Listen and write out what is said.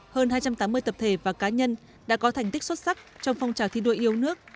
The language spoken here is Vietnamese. hơn hai trăm tám mươi tập thể và cá nhân đã có thành tích xuất sắc trong phong trào thi đua yêu nước